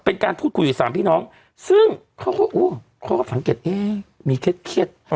เป็นการพูดคุยอยู่สามพี่น้องซึ่งเขาก็โอ้เขาก็สังเกตมีเครียด